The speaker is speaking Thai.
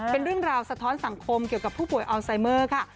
เป็นเรื่องราวสะท้อนสังคมเกี่ยวกับผู้ป่วยอัลไซเมอร์ค่ะ